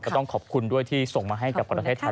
ต้องขอบคุณด้วยที่ส่งมาให้กับประเทศไทย